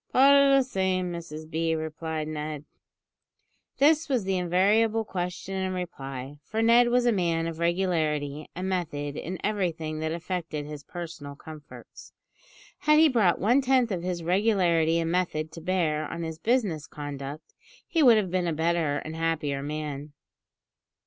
"Pot o' the same, Mrs B," replied Ned. This was the invariable question and reply, for Ned was a man of regularity and method in everything that affected his personal comforts. Had he brought one tenth of this regularity and method to bear on his business conduct, he would have been a better and a happier man.